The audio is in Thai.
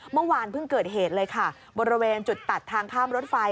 เมื่อวานเพิ่งเกิดเหตุเลยค่ะบริเวณจุดตัดทางข้ามรถไฟ